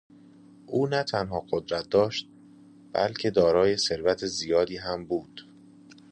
او نه تنها قدرت داشت بلکه دارای ثروت زیادی هم بود.